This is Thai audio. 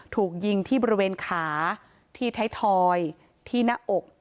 ถูกยิงที่บริเวณขาที่ไทยทอยที่หน้าอก